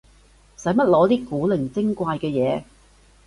使乜攞啲古靈精怪嘅嘢